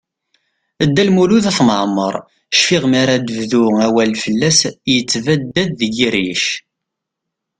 Dda Lmud At Mɛemmeṛ, cfiɣ mi ara d-bdu awal fell-as, yettebdad deg-i rric.